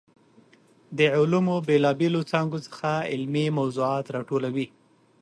د علومو بېلا بېلو څانګو څخه علمي موضوعات راټولوي.